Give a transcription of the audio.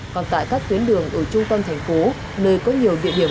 còn tại các tuyến đường ở trung tâm thành phố nơi có nhiều địa điểm